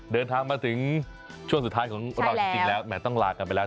เดินทางมาถึงช่วงสุดท้ายของเราจริงแล้วแหมต้องลากันไปแล้ว